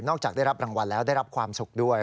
จากได้รับรางวัลแล้วได้รับความสุขด้วย